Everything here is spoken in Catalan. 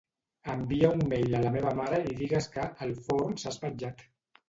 Envia un mail a la meva mare i digues que "el forn s'ha espatllat".